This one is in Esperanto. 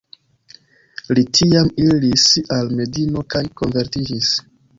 Li tiam iris al Medino kaj konvertiĝis..